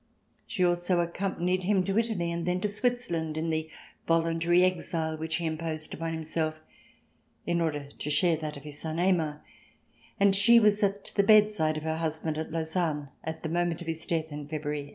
She also accompanied him to Italy and then to Switzerland in the voluntary exile which he imposed upon himself, in order to share that of his son, Aymar, and she was at the bed side of her husband at Lucerne at the moment of his death in February, 1837.